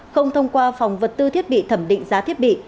không thông qua phòng vật tư thiết bị thẩm định giá thiết bị